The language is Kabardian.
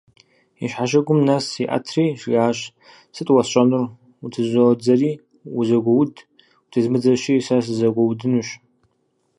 И щхьэщыгум нэс иӏэтри, жиӏащ: «Сыт уэсщӏэнур? Утызодзэри - узэгуоуд, утезмыдзэщи, сэ сызэгуэудынущ».